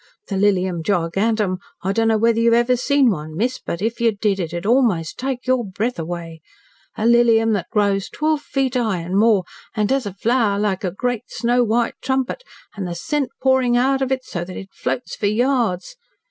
"The Lilium Giganteum I don't know whether you've ever seen one, miss but if you did, it'd almost take your breath away. A Lilium that grows twelve feet high and more, and has a flower like a great snow white trumpet, and the scent pouring out of it so that it floats for yards.